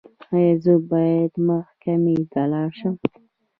ایا زه باید محکمې ته لاړ شم؟